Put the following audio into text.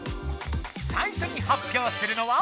最初に発表するのは。